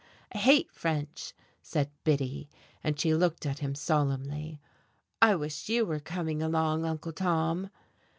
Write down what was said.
"I hate French," said Biddy, and she looked at him solemnly. "I wish you were coming along, Uncle Tom."